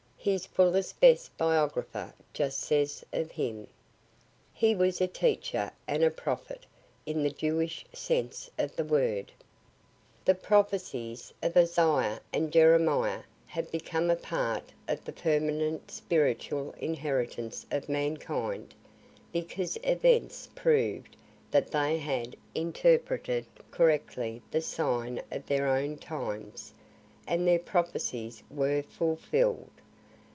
His fullest best biographer justly says of him: He was a teacher and a prophet, in the Jewish sense of the word. The prophecies of Isaiah and Jeremiah have become a part of the permanent spiritual inheritance of mankind, because events proved that they had interpreted correctly the sign of their own times, and their prophecies were fulfill'd.